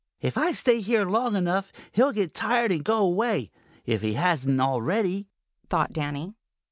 "If I stay here long enough, he'll get tired and go away, if he hasn't already," thought Danny.